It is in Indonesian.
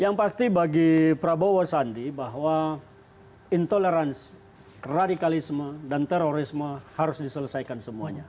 yang pasti bagi prabowo sandi bahwa intoleransi radikalisme dan terorisme harus diselesaikan semuanya